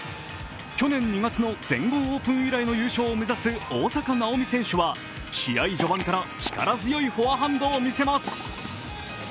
去年２月の全豪オープン以来の優勝を目指す大坂なおみ選手は試合序盤から力強いフォアハンドを見せます。